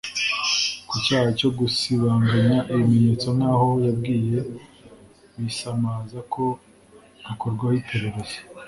Ku cyaha cyo gusibanganya ibimenyetso nk’aho yabwiye Bisamaza ko akorwaho iperereza